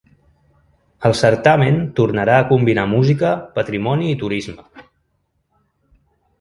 El certamen tornarà a combinar música, patrimoni i turisme.